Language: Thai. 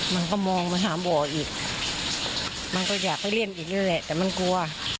มันก็มองมันหาบัวอีกมันก็อยากไปเลี่ยนอีกเลยแต่มันกลัว